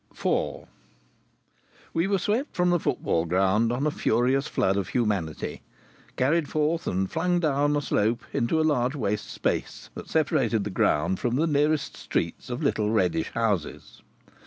IV We were swept from the football ground on a furious flood of humanity carried forth and flung down a slope into a large waste space that separated the ground from the nearest streets of little reddish houses.